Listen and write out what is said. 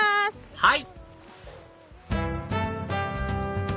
はい！